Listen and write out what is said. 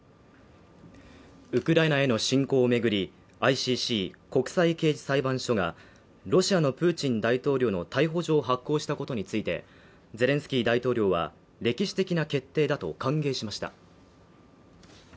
ウクライナへの侵攻を巡り、ＩＣＣ＝国際刑事裁判所がロシアのプーチン大統領の逮捕状を発行したことについて、ゼレンスキー大統領は歴史的な決定だと歓迎しました。